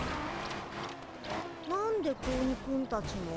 何で子鬼くんたちも？